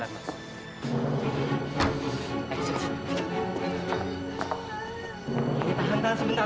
tahan mas sebentar mas sebentar